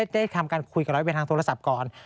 ได้ทำการคุยกับร้อยเวนทางโทรศัพท์ก่อน